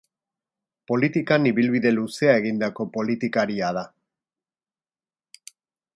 Politikan ibilbide luzea egindako politikaria da.